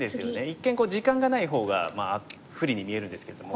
一見時間がない方が不利に見えるんですけれども。